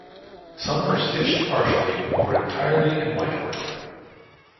Some were stitched partially or entirely in whitework.